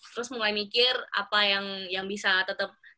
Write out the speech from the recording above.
terus mulai mikir apa yang bisa tetep jalanin ke ui